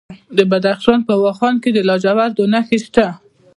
د بدخشان په واخان کې د لاجوردو نښې شته.